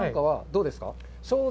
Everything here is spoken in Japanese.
どうですか。